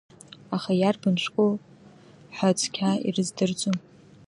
Аха иарбан шәҟәу ҳәа цқьа ирыздырӡом.